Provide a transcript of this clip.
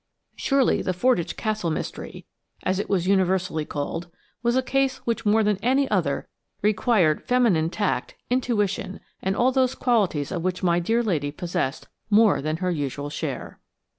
Surely the Fordwych Castle Mystery, as it was universally called, was a case which more than any other required feminine tact, intuition, and all those qualities of which my dear lady possessed more than her usual share.